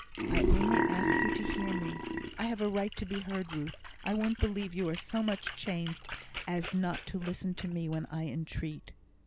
"I only ask you to hear me. I have a right to be heard, Ruth! I won't believe you are so much changed, as not to listen to me when I entreat."